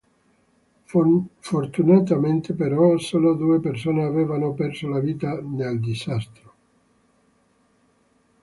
Fortunatamente però solo due persone avevano perso la vita nel disastro.